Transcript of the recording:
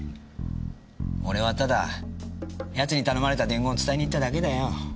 俺はただ奴に頼まれた伝言を伝えに行っただけだよ。